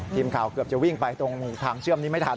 ทีมข่าวเกือบจะวิ่งไปตรงทางเชื่อมนี้ไม่ทัน